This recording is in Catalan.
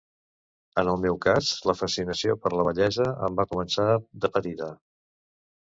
En el meu cas, la fascinació per la bellesa em va començar de petita.